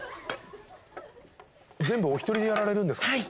全部お一人でやられるんですか？